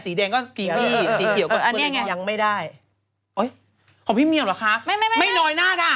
สีแดงก็ที่เศ็คนี่ยังไม่ได้ไอ้ของผู้มีบปลาศาสตร์ค่ะไม่ไหมน้อยหน้าก่ะ